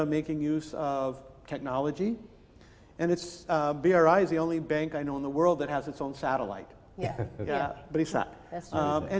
teknologi dan itu bri adalah bank yang saya kenal di dunia yang memiliki satelit sendiri ya ya